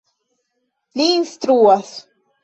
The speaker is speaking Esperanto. Li instruas.